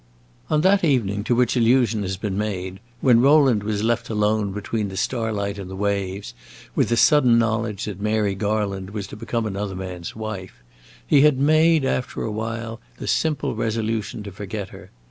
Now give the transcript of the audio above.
On that evening to which allusion has been made, when Rowland was left alone between the starlight and the waves with the sudden knowledge that Mary Garland was to become another man's wife, he had made, after a while, the simple resolution to forget her.